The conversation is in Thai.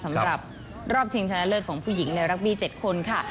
สำหรับรอบชิงชนะเลิศของผู้หญิงในรักบี้๗คนค่ะ